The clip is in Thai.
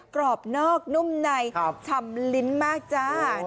กรอบนอกนุ่มในชำลิ้นมากจ้า